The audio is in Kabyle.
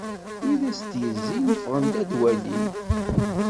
Wid i as-d-yezzin ffɣen-d ad walin.